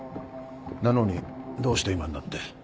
なのにどうして今になって？